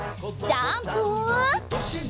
ジャンプ！